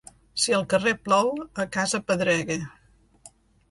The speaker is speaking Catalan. Si al carrer plou, a casa pedrega.